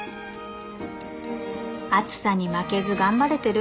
暑さに負けず頑張れてる？